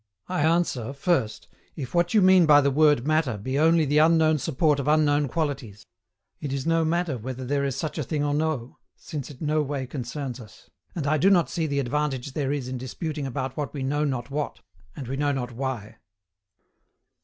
I answer, first, if what you mean by the word Matter be only the unknown support of unknown qualities, it is no matter whether there is such a thing or no, since it no way concerns us; and I do not see the advantage there is in disputing about what we know not what, and we know not why.